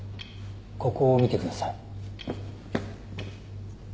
ここ見てください。